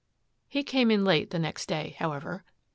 He came in late the next day, however.